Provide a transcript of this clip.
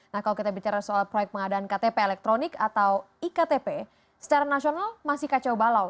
nah kalau kita bicara soal proyek pengadaan ktp elektronik atau iktp secara nasional masih kacau balau